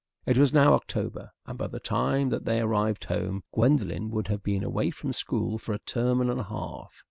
It was now October, and by the time that they arrived home Gwendolen would have been away from school for a term and a half.